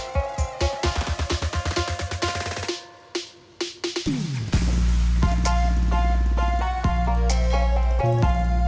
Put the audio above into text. saya berangkat tukang